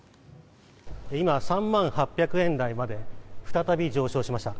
今、３万８００円台まで再び上昇しました。